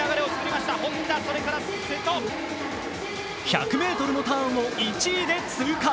１００ｍのターンを１位で通過。